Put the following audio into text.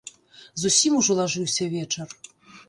Зусім ужо лажыўся вечар.